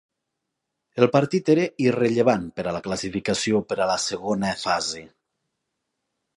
El partit era irrellevant per a la classificació per a la segona fase.